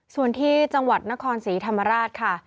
ส่วนที่จังหวัดนครศรีธรรมราชค่ะ